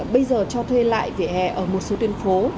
bây giờ cho thuê lại vỉa hè ở một số tuyên phố